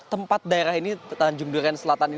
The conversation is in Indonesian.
profil tempat daerah ini tanjung duren selatan satu pak mulyadi